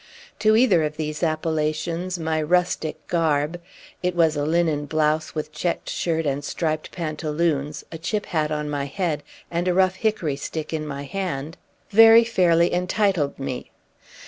To either of these appellations my rustic garb (it was a linen blouse, with checked shirt and striped pantaloons, a chip hat on my head, and a rough hickory stick in my hand) very fairly entitled me.